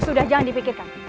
sudah jangan dipikirkan